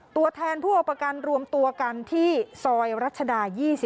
ตัวแทนผู้เอาประกันรวมตัวกันที่ซอยรัชดา๒๔